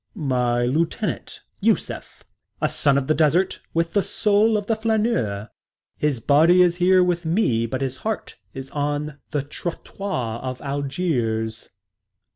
"My lieutenant, Yusef, a son of the desert with the soul of a flaneur. His body is here with me, but his heart is on the trottoirs of Algiers."